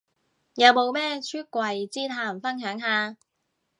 有冇咩出櫃之談分享下